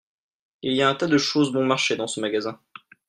il y a un tas de choses bon-marché dans ce magasin.